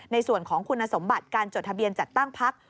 ในส่วนของคุณสมบัติการจดทะเบียนจัดตั้งพัก